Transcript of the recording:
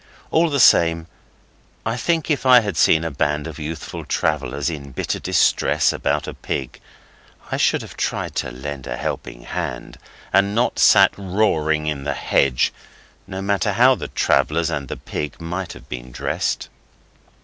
All the same, I think if I had seen a band of youthful travellers in bitter distress about a pig I should have tried to lend a helping hand and not sat roaring in the hedge, no matter how the travellers and the pig might have been dressed.